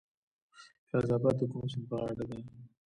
فیض اباد د کوم سیند په غاړه دی؟